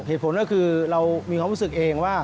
เหตุผลก็คือเรามีความรู้สึกเองว่า